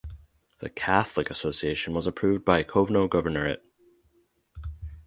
The Catholic association was approved by Kovno Governorate.